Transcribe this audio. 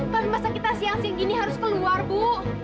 tapi masa kita siang siang gini harus keluar bu